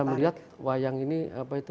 ya saya melihat wayang ini apa itu